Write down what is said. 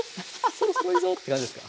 そろそろいいぞって感じですか？